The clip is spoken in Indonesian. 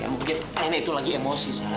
ya mungkin n itu lagi emosi sat